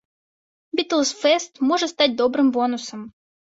Бітлз-фэст можа стаць добрым бонусам.